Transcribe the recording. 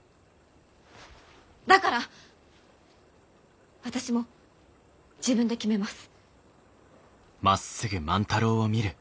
だから私も自分で決めます。